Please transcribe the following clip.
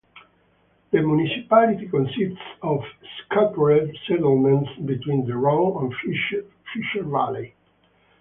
The municipality consists of scattered settlements between the Rhone and Fiescher valley.